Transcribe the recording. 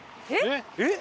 えっ！